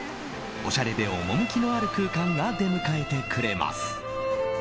おしゃれで趣のある空間が出迎えてくれます。